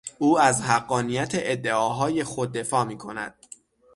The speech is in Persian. او از حقانیت ادعاهای خود دفاع میکند.